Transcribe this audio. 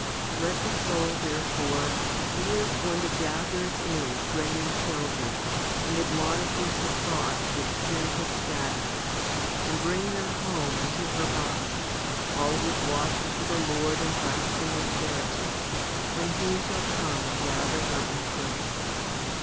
2. Let the soul, therefore, be as one that gathers in straying children and admonishes the thoughts which sin has scattered, and bring them home into her body, always watching for the Lord in fasting and charity, when He shall come and gather her in truth.